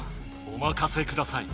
おまかせください。